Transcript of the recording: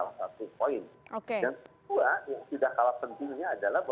yang tidak kalah pentingnya adalah